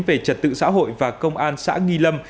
về trật tự xã hội và công an xã nghi lâm